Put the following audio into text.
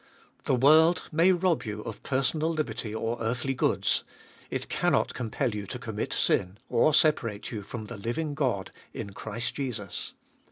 The world may rob you of personal liberty or earthly goods ; it cannot compel you to commit sin or separate you from the living God in Christ Jesus.